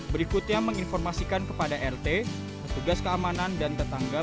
berikutnya menginformasikan kepada rt petugas keamanan dan tetangga